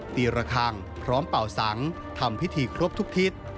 ตีระคังพร้อมเป่าสังทำพิธีครบทุกทิศ